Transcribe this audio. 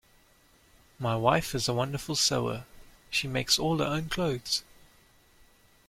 My wife is a wonderful sewer: she makes all her own clothes.